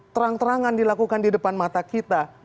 terang terangan dilakukan di depan mata kita